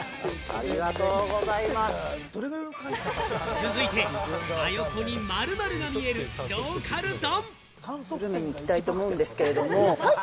続いて、真横に○○が見える、ローカル丼。